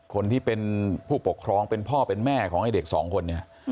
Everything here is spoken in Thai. คนที่เป็นผู้ปกครองเป็นพ่อเป็นแม่ของไอ้เด็กสองคนเนี่ย